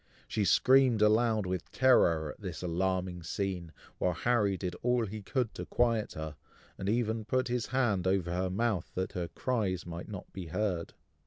She screamed aloud with terror at this alarming scene, while Harry did all he could to quiet her, and even put his hand over her mouth, that her cries might not be heard.